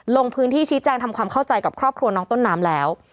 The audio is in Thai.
ลงพื้นที่ชี้แจงทำความเข้าใจกับครอบครัวน้องต้นน้ำแล้ว